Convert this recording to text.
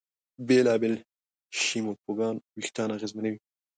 بېلابېل شیمپوګان وېښتيان اغېزمنوي.